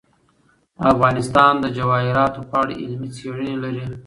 افغانستان د جواهرات په اړه علمي څېړنې لري.